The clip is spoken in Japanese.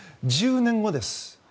１０年後です。